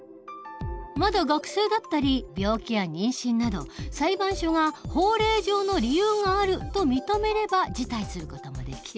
まだ学生だったり病気や妊娠など裁判所が法令上の理由があると認めれば辞退する事もできる。